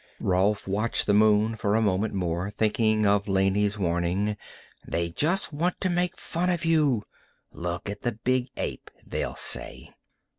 Rolf watched the moon for a moment more, thinking of Laney's warning. _They just want to make fun of you. Look at the big ape, they'll say.